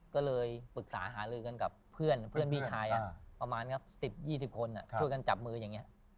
ก็เลยปรึกษาหาลือกันกับเพื่อนพี่ชายประมาณ๑๐๒๐คนช่วยกันจับมืออย่างนี้